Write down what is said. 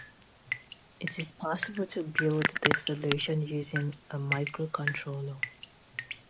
It is possible to build this solution using a microcontroller.